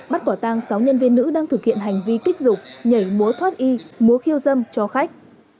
bắt quả tang sáu nhân viên nữ đang thực hiện hành vi kích dục nhảy múa thoát y múa khiêu dâm cho khách